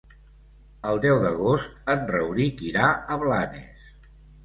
El deu d'agost en Rauric irà a Blanes.